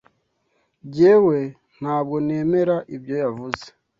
Jyewe, ntabwo nemera ibyo yavuze.